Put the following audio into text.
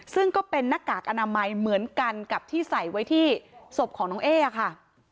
ซึ่งก็เป็นหน้ากากอนามัยเหมือนกันกับที่ใส่ไว้ที่ศพของน้องเอ๊ค่ะ